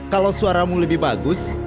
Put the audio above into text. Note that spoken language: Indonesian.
kalau suaramu lebih bagus